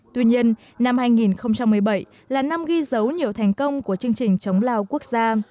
tuy nhiên năm hai nghìn một mươi bảy là năm ghi dấu nhiều thành công của chương trình chống lao quốc gia